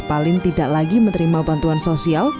paling tidak lagi menerima bantuan sosial